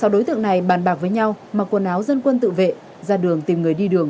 sáu đối tượng này bàn bạc với nhau mặc quần áo dân quân tự vệ ra đường tìm người đi đường